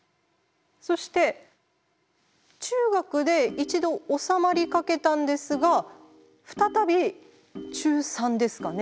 そして中学で一度収まりかけたんですが再び中３ですかね。